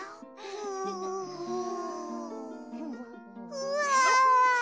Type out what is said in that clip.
うわ！